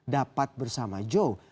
dapat bersama joe